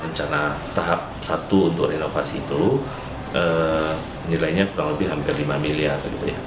rencana tahap satu untuk renovasi itu nilainya kurang lebih hampir lima miliar